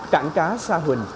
cảng cá sa huỳnh